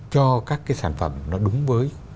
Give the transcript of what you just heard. cho các cái sản phẩm nó đúng với